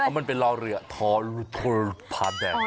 เพราะมันเป็นรอเหลือโทนพาแดง